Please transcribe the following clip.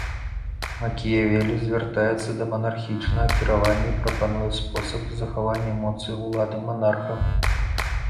Макіявелі звяртаецца да манархічнага кіравання і прапануе спосабы захавання моцы ўлады манарха.